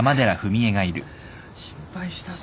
心配したぞ。